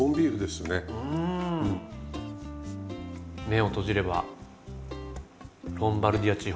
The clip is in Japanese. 目を閉じればロンバルディア地方。